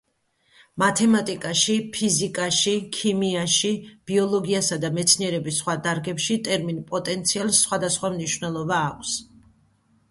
მათემატიკაში, ფიზიკაში, ქიმიაში, ბიოლოგიასა და მეცნიერების სხვა დარგებში ტერმინ „პოტენციალს“ სხვადასხვა მნიშვნელობა აქვს.